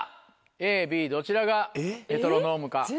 ＡＢどちらがメトロノームか。